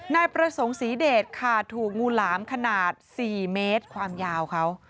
นายประสงค์ศรีเดชค่ะถูกงูหลามขนาด๔เมตรความยาวเขา